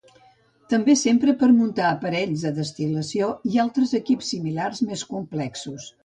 També s'empra per muntar aparells de destil·lació i altres equips similars més complexos.